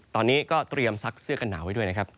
ตอนนี้ก็เตรียมซักเสื้อกันหนาวไว้ด้วยนะครับ